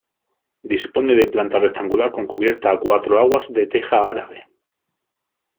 Dispone de planta rectangular con cubierta a cuatro aguas de teja árabe.